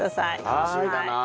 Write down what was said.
楽しみだなあ。